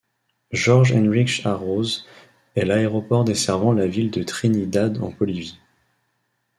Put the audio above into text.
Jorge Henrich Araúz est l'aéroport desservant la ville de Trinidad en Bolivie.